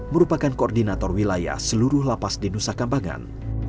merupakan koordinator wilayah seluruh lapas di nusa kambangan